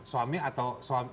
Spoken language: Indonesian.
suami atau istri